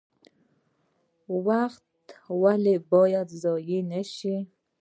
وخت ولې باید ضایع نشي؟